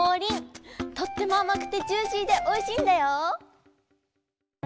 とてもあまくてジューシーでおいしいんだよ。